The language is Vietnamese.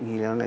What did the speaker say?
thì nó là